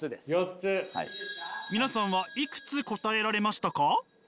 皆さんはいくつ答えられましたか？